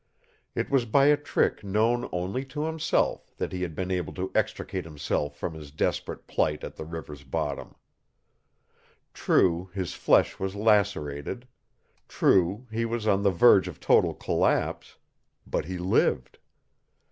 It was by a trick known only to himself that he had been able to extricate himself from his desperate plight at the river's bottom. True, his flesh was lacerated. True, he was on the verge of total collapse. But he lived.